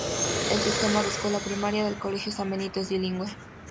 El sistema de escuela primaria del Colegio San Benito es bilingüe.